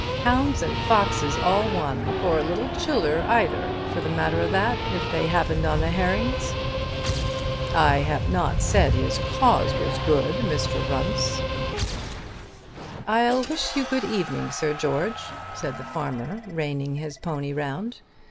Hounds and foxes all one! or little childer either for the matter o' that, if they happened on the herrings!" "I have not said his cause was good, Mr. Runce." "I'll wish you good evening, Sir George," said the farmer, reining his pony round.